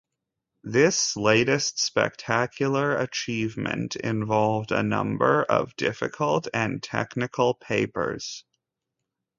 This latest spectacular achievement involved a number of difficult and technical papers.